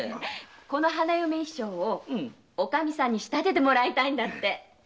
この花嫁衣装をおかみさんに仕立ててもらいたいんだって。